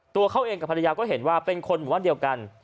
ตัวเขาเองกับภรรยาก็เห็นว่าเป็นคนหมู่บ้านเดียวกัน